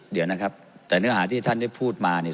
เดี๋ยวนะครับแต่เนื้อหาที่ท่านได้พูดมาเนี่ย